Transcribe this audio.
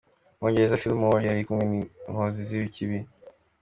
"Umwongereza Phil Moore, yari kumwe n'inkozi z'ikibi.